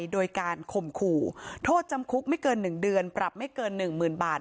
โดยการข่มขู่โทษจำคุกไม่เกิน๑เดือนปรับไม่เกิน๑๐๐๐บาท